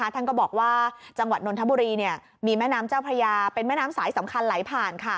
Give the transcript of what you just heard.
ท่านก็บอกว่าจังหวัดนนทบุรีมีแม่น้ำเจ้าพระยาเป็นแม่น้ำสายสำคัญไหลผ่าน